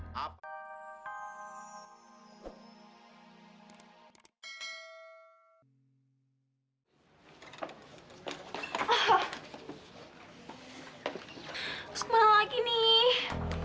masuk mana lagi nih